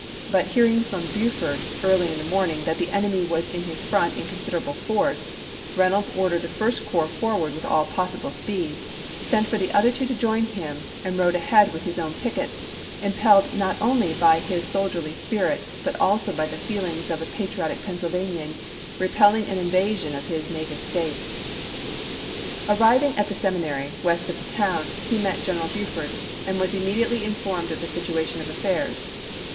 But hearing from Buford early in the morning that the enemy was in his front in considerable force, Reynolds ordered the First Corps forward with all possible speed, sent for the other two to join him, and rode ahead with his own pickets, impelled not only by his soldierly spirit, but also by the feelings of a patriotic GETTYSBUEG 239 Pennsylvanian repelling an invasion of his native chap. ix. State. Arriving at the seminary, west of the town, he July 1, lsea. met G eneral Buford, and was immediately in formed of the situation of affairs.